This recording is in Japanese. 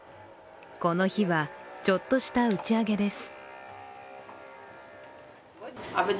この日は、ちょっとした打ち上げです。